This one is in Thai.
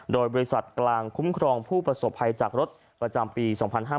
โดยบริษัทกลางคุ้มครองผู้ประสบภัยจากรถประจำปี๒๕๕๙